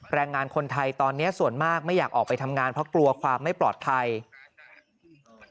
แรงงานคนไทยตอนนี้ส่วนมากไม่อยากออกไปทำงานเพราะกลัวความไม่ปลอดภัย